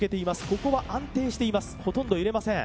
ここは安定していますほとんど揺れません